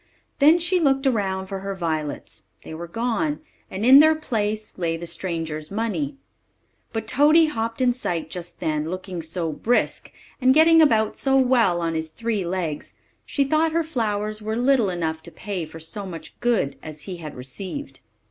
Then she looked around for her violets; they were gone, and in their place lay the stranger's money. But Toady hopped in sight just then, looking so brisk, and getting about so well on his three legs, she thought her flowers were little enough to pay for so much good as he had received.